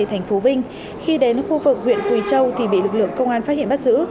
thành phố vinh khi đến khu vực huyện quỳ châu thì bị lực lượng công an phát hiện bắt giữ